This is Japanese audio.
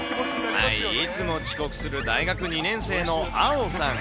いつも遅刻する大学２年生のアオさん。